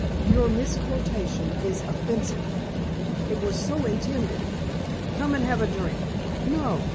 "Your misquotation is offensive." "It was so intended." "Come and have a drink." "No."